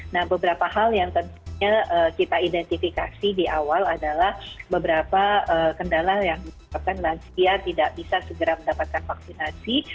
nah beberapa hal yang tentunya kita identifikasi di awal adalah beberapa kendala yang menyebabkan lansia tidak bisa segera mendapatkan vaksinasi